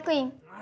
あ